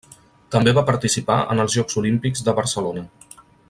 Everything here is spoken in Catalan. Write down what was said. També va participar en els Jocs Olímpics de Barcelona.